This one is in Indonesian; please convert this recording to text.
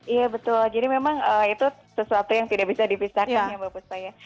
iya betul jadi memang itu sesuatu yang tidak bisa dipisahkan ya bapak ibu saya